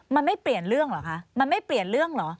มันไม่เปลี่ยนเรื่องเหรอคะมันไม่เปลี่ยนเรื่องเหรอ